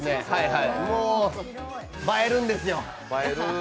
もう映えるんですよ。